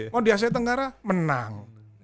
mau di asia tenggara menang